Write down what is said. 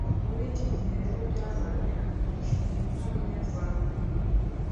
Muri iki gihe rero byabaye akarusho; “Gira inka Munyarwanda”